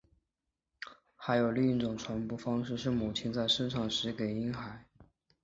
还有另一种传播方式是母亲在生产时给婴孩。